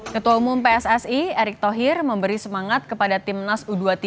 ketua umum pssi erick thohir memberi semangat kepada timnas u dua puluh tiga